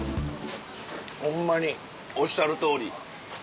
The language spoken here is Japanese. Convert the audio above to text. ホンマにおっしゃるとおり。